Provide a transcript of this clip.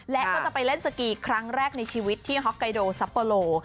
และก็จะไปเล่นสกีครั้งแรกในชีวิตที่ฮอกไกโดซัปโปโล